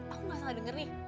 aku gak salah denger nih